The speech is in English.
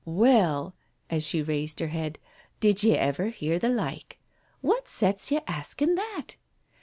"Well!" — as she raised her head — "did ye ever hear the like? What sets ye asking that?